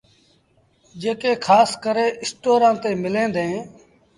جيڪي کآس ڪري اسٽورآݩ تي مليٚن ديٚݩ۔